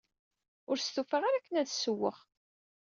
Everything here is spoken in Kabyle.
Ur stufaɣ ara akken ad ssewweɣ.